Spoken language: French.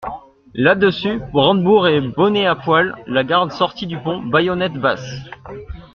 Là-dessus, brandebourgs et bonnets à poil, la garde sortit du pont, baïonnettes basses.